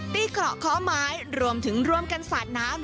เกราะเคาะไม้รวมถึงร่วมกันสาดน้ำ